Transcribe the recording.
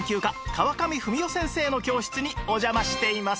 川上文代先生の教室にお邪魔しています